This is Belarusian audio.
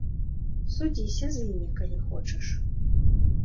Судзіся з імі, калі хочаш!